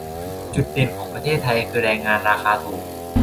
จุดเด่นของประเทศไทยคือแรงงานราคาถูก